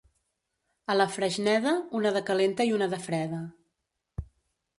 A la Freixneda, una de calenta i una de freda.